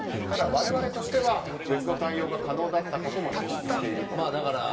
ただ、我々としては別の対応が可能だったことも認識していると。